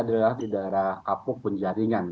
adalah di daerah kapuk pun jaringan